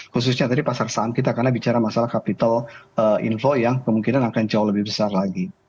khususnya tadi pasar saham kita karena bicara masalah capital inflow yang kemungkinan akan jauh lebih besar lagi